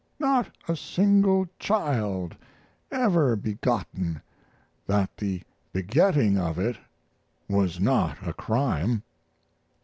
Not a single child ever begotten that the begetting of it was not a crime.